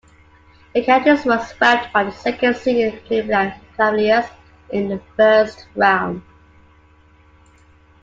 The Celtics were swept by the second seeded Cleveland Cavaliers in the first round.